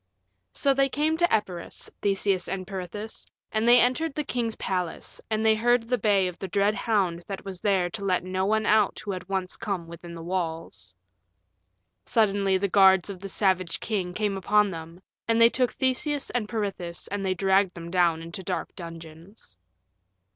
So they came to Epirus, Theseus and Peirithous, and they entered the king's palace, and they heard the bay of the dread hound that was there to let no one out who had once come within the walls. Suddenly the guards of the savage king came upon them, and they took Theseus and Peirithous and they dragged them down into dark dungeons.